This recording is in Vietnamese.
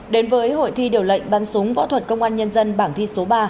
đến với hội thi điều lệnh bắn súng võ thuật công an nhân dân bảng thi số ba